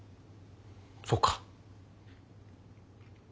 そうか。